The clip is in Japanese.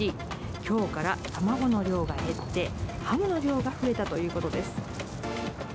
今日から卵の量が減ってハムの量が増えたということです。